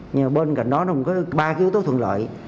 nhưng mà bên cạnh đó nó cũng có ba yếu tố thuận lợi